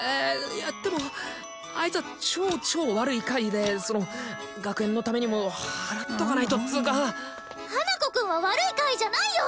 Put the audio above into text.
いやでもあいつは超超悪い怪異でその学園のためにも祓っとかないとっつーか花子くんは悪い怪異じゃないよ